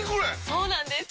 そうなんです！